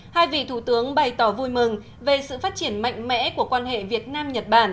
hai vị thủ tướng bày tỏ vui mừng về sự phát triển mạnh mẽ của quan hệ việt nam nhật bản